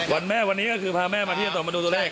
วันแม่วันนี้ก็คือพาแม่มาเทียบต่อมาดูเลข